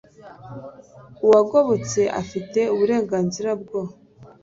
Uwagobotse afite uburenganzira bwo